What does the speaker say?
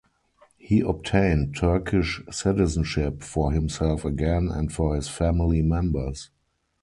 He obtained Turkish citizenship for himself again and for his family members.